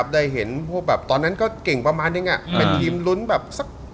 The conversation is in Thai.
ได้เห็นพวกแบบตอนนั้นก็เก่งประมาณนึงเป็นทีมลุ้นแบบสัก